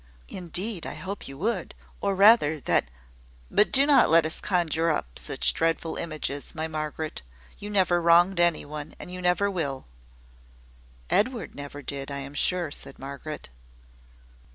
"Indeed, I hope you would: or rather, that " "But do not let us conjure up such dreadful images, my Margaret. You never wronged any one, and you never will." "Edward never did, I am sure," said Margaret.